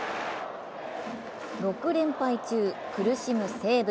６連敗中、苦しむ西武。